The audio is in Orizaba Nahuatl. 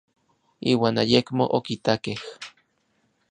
Iuan ayekmo okitakej.